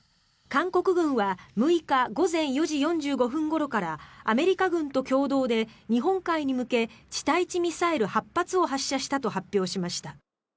韓国軍は６日午前４時４５分ごろからアメリカ軍と共同で日本海に向け地対地ミサイル８発を発射したと発表しました。